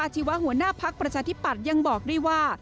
ชีวะหัวหน้าภักดิ์ประชาธิปัตย์ยังบอกด้วยว่า